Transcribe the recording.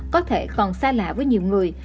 có thể còn xa lạ với nhiều người